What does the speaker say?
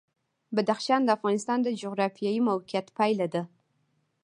بدخشان د افغانستان د جغرافیایي موقیعت پایله ده.